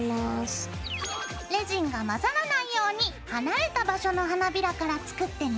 レジンが混ざらないように離れた場所の花びらから作ってね。